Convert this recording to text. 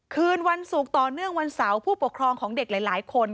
คืนวันศุกร์ต่อเนื่องวันเสาร์ผู้ปกครองของเด็กหลายคน